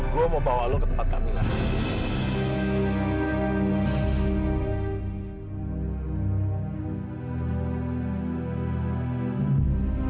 gue mau bawa lo ke tempat tamilah